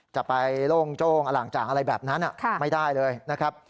จะไปโล่งโจ้งอล่างจ่างอะไรแบบนั้นไม่ได้เลยนะครับ